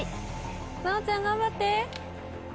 奈緒ちゃん頑張って。